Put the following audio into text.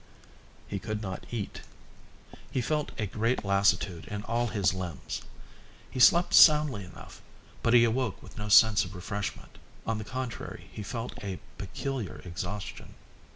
He could not eat. He felt a great lassitude in all his limbs. He slept soundly enough, but he awoke with no sense of refreshment; on the contrary he felt a peculiar exhaustion.